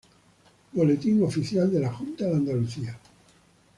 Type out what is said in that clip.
Boletín Oficial de la Junta de Andalucía